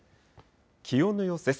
気温の様子です。